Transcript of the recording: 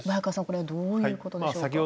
これどういうことでしょうか？